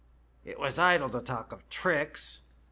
It was idle to talk of tricks.